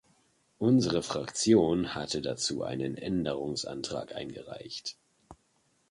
Unsere Fraktion hatte dazu einen Änderungsantrag eingereicht.